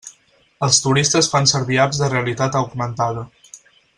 Els turistes fan servir apps de realitat augmentada.